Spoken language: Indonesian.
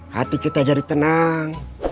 hati kita jadi tenang